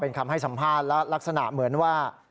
เป็นคำให้สัมภาษณ์และลักษณะเหมือนว่า